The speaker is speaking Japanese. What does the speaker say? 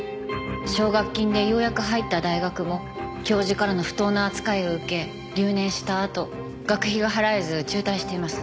奨学金でようやく入った大学も教授からの不当な扱いを受け留年したあと学費が払えず中退しています。